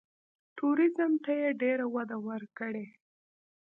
ټوریزم ته یې ډېره وده ورکړې.